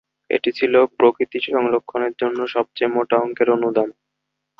এটি ছিলো প্রকৃতি সংরক্ষণের জন্য সবচেয়ে মোটা অঙ্কের অনুদান।